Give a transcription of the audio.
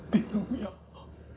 bingung ya allah